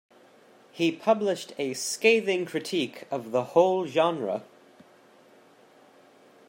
He published a scathing critique of the whole genre.